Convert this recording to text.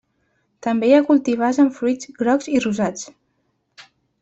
També hi ha cultivars amb fruits grocs i rosats.